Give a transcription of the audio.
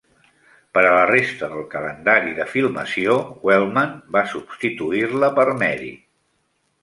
Per a la resta del calendari de filmació, Wellman va substituir-la per Mary.